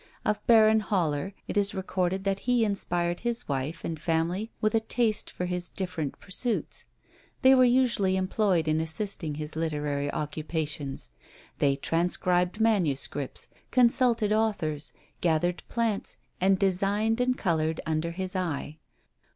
Of Baron Haller it is recorded that he inspired his wife and family with a taste for his different pursuits. They were usually employed in assisting his literary occupations; they transcribed manuscripts, consulted authors, gathered plants, and designed and coloured under his eye.